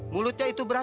mulutnya itu berbicara